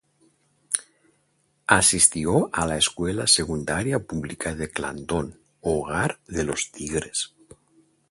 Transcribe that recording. Asistió a la escuela secundaria pública de Clanton, hogar de los Tigres.